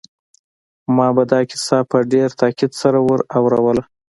ما به دا کیسه په ډېر تاکید سره ور اوروله